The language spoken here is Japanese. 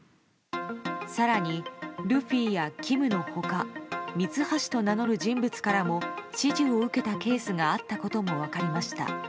更に、ルフィやＫＩＭの他ミツハシと名乗る人物からも指示を受けたケースがあったことも分かりました。